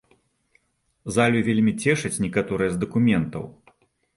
Залю вельмі цешаць некаторыя з дакументаў.